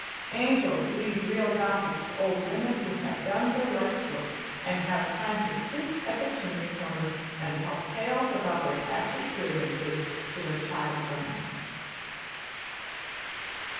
Angels leave real gossip to old women who have done their life's work and have time to sit in the chimney corner and tell tales about their past experiences to their child friends.